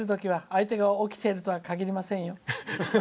相手が起きているとはかぎりませんよ。